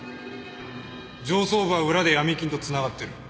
上層部は裏で闇金と繋がってる。